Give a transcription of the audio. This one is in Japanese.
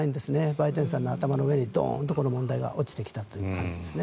バイデンさんの頭の上にドーンとこの問題が落ちてきたという感じですね。